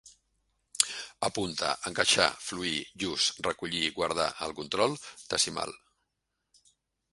Apunta: encaixar, fluir, just, recollir, guardar, el control, decimal